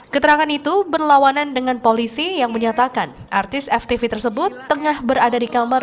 keterangan itu berlawanan dengan polisi yang menyatakan artis ftv tersebut tengah berada di kamar